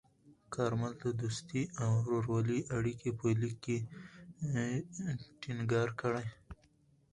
کارمل د دوستۍ او ورورولۍ اړیکې په لیک کې ټینګار کړې.